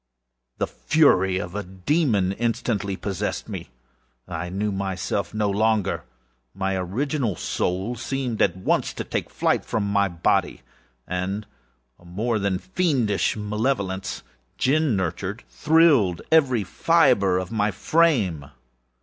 The fury of a demon instantly possessed me. I knew myself no longer. My original soul seemed, at once, to take its flight from my body and a more than fiendish malevolence, gin nurtured, thrilled every fibre of my frame.